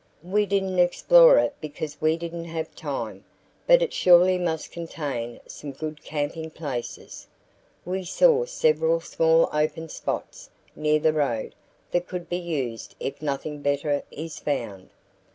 We didn't explore it because we didn't have time, but it surely must contain some good camping places. We saw several small open spots near the road that could be used if nothing better is found.